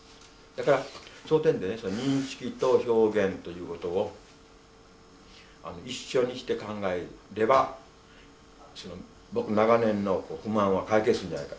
だからその点でね認識と表現ということを一緒にして考えれば僕長年の不満は解決するんじゃないか。